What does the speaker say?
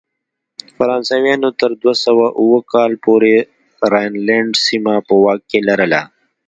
فرانسویانو تر دوه سوه اووه کال پورې راینلنډ سیمه په واک کې لرله.